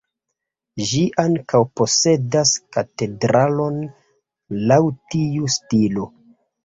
Ĝi ankaŭ posedas katedralon laŭ tiu stilo.